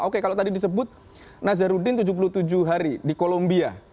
oke kalau tadi disebut nazarudin tujuh puluh tujuh hari di kolombia